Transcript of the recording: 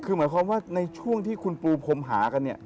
คือหมายความว่าในช่วงที่คุณปูพรมหากันเนี่ย